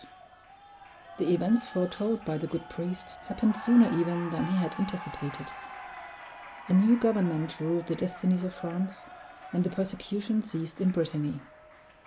The events foretold by the good priest happened sooner even than he had anticipated. A new government ruled the destinies of France, and the persecution ceased in Brittany.